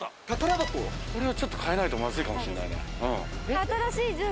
これはちょっと変えないとまずいかもしれないな。